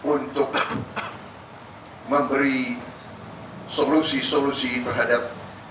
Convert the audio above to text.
untuk memberi solusi solusi terhadap